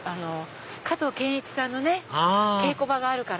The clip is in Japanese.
加藤健一さんの稽古場があるから。